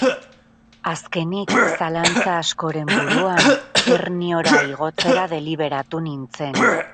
Azkenik, zalantza askoren buruan, Erniora igotzera deliberatu nintzen.